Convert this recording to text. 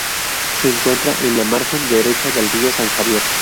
Se encuentra en la margen derecha del río San Javier.